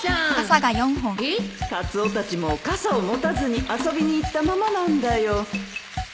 カツオたちも傘を持たずに遊びに行ったままなんだよ